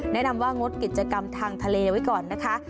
แนะนำว่างดกิจกรรมทางทะเลไว้ก่อนนะคะ